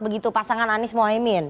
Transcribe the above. begitu pasangan anies dan muhyemin